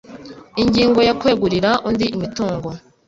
Ingingo ya Kwegurira undi imitungo